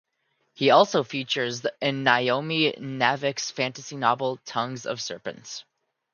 He also features in Naomi Novik's fantasy novel "Tongues of Serpents".